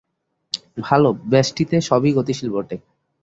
ভাল, ব্যষ্টিতে সবই গতিশীল বটে।